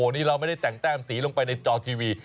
นี่เราไม่ได้แต่งแต้มสีลงไปในจอทีวี